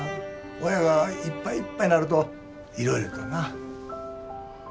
親がいっぱいいっぱいなるといろいろとな。